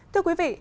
thưa quý vị